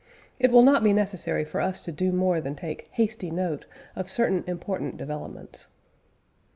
It will not be necessary for us to do more than take hasty note of certain important developments.